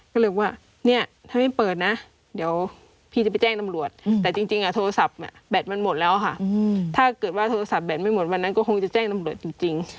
ก็เลยบอกว่าเนี่ยถ้าไม่เปิดนะเดี๋ยวพี่จะไปแจ้งตำรวจแต่จริงโทรศัพท์แบตมันหมดแล้วค่ะถ้าเกิดว่าโทรศัพท์แบตไม่หมดวันนั้นก็คงจะแจ้งตำรวจจริง